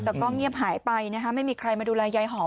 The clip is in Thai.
แต่ก็เงียบหายไปนะคะไม่มีใครมาดูแลยายหอม